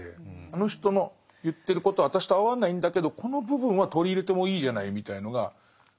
あの人の言ってること私と合わないんだけどこの部分は取り入れてもいいじゃないみたいのがないと。